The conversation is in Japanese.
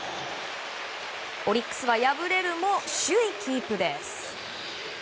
オリックスは敗れるも首位キープです。